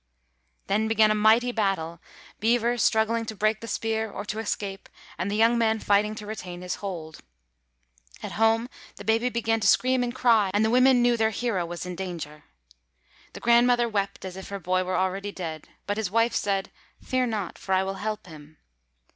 Then began a mighty battle, Beaver struggling to break the spear or to escape, and the young man fighting to retain his hold. At home the baby began to scream and cry, and the women knew their hero was in danger. The grandmother wept as if her boy were already dead; but his wife said, "Fear not, for I will help him."